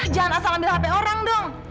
jangan asal ambil hp orang dong